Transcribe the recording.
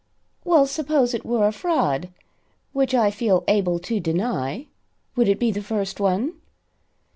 "Well, suppose it were a fraud which I feel able to deny would it be the first one?"